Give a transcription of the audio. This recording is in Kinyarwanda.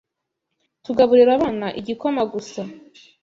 Tugaburira abana igikoma gusa